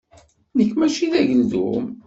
Nekk mačči d ageldun.